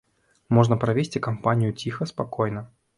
Можна правесці кампанію ціха-спакойна.